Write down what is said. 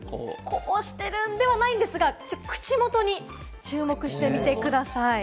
こぼしてるんではないんですが、口元に注目してみてください。